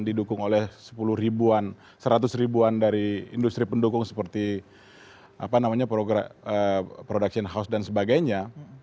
didukung oleh sepuluh ribuan seratus ribuan dari industri pendukung seperti production house dan sebagainya